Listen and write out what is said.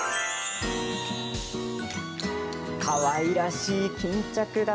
かわいらしい巾着型。